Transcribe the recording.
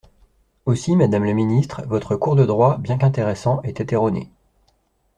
Aussi, madame la ministre, votre cours de droit, bien qu’intéressant, était erroné.